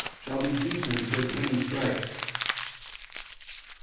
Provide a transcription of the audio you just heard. shall be beaten with many stripes."